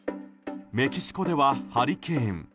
メキシコではハリケーン。